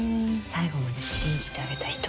最後まで信じてあげた人。